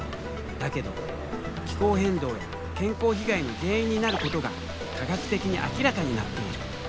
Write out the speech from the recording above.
だけど気候変動や健康被害の原因になることが科学的に明らかになっている。